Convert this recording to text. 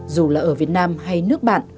dù là ở việt nam hay nước bạn